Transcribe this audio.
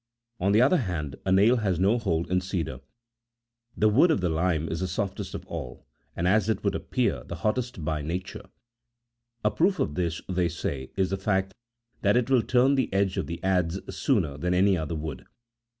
On the other hand, a nail has no26 hold in cedar. The wood of the lime is the softest of all, and, as it would appear, the hottest by nature ; a proof of this, they say, is the fact that it will turn the edge of the adze sooner than any other wood.